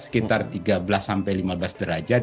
sekitar tiga belas sampai lima belas derajat